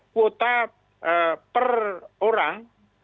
kuota per orang